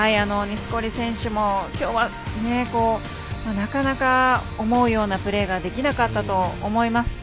錦織選手もきょうはなかなか思うようなプレーができなかったと思います。